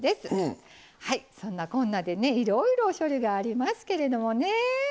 はいそんなこんなでねいろいろ処理がありますけれどもね。